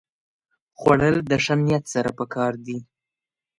خوړل د ښه نیت سره پکار دي